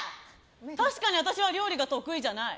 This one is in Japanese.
確かに私は料理は得意じゃない。